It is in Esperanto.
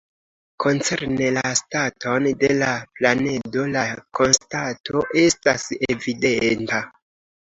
Koncerne la staton de la planedo, la konstato estas evidenta.